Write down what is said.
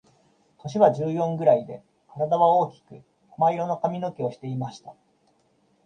年は十四ぐらいで、体は大きく亜麻色の髪の毛をしていました。